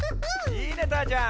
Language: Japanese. いいねたーちゃん。